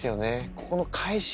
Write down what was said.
ここの返し。